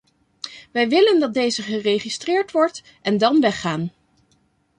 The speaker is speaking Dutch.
Wij willen dat deze geregistreerd wordt en dan weggaan.